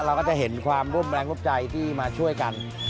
เราก็จะเห็นความร่วมแรงร่วมใจที่มาช่วยกัน